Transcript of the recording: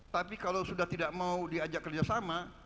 tapi kalau sudah tidak mau diajak kerjasama